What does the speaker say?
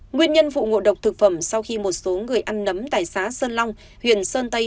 nguyên nhân vụ ngộ độc thực phẩm sau khi một số người ăn nấm tại xã sơn long huyện sơn tây